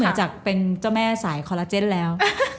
จากเป็นเจ้าแม่สายคอลลาเจนแล้ว